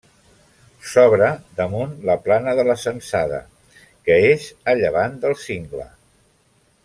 S'obre damunt la plana de la Censada, que és a llevant del cingle.